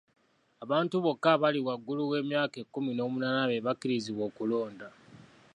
Abantu bokka abali waggulu w'emyaka ekkumi n'omunaana be bakkirizibwa okulonda.